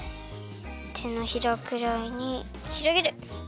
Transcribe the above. てのひらくらいにひろげる。